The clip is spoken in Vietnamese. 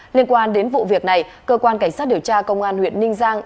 liên quan đến vụ việc này cơ quan cảnh sát điều tra công an huyện ninh giang